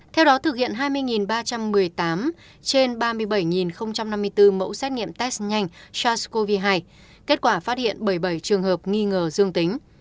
theo đó thực hiện hai mươi ba trăm một mươi tám trên ba mươi bảy năm mươi bốn mẫu xét nghiệm test nhanh sars cov hai kết quả phát hiện bảy mươi bảy trường hợp nghi ngờ dương tính